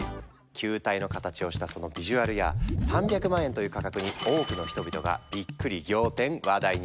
球体の形をしたそのビジュアルや３００万円という価格に多くの人々がびっくり仰天話題に。